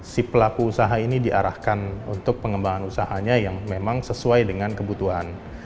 si pelaku usaha ini diarahkan untuk pengembangan usahanya yang memang sesuai dengan kebutuhan